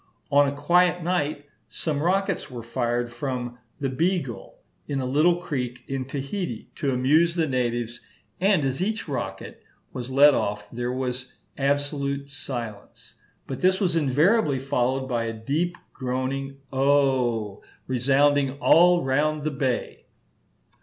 On a quiet night some rockets were fired from the 'Beagle,' in a little creek at Tahiti, to amuse the natives; and as each rocket, was let off there was absolute silence, but this was invariably followed by a deep groaning Oh, resounding all round the bay.